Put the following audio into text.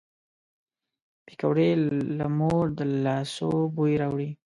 پکورې له مور د لاسو بوی راوړي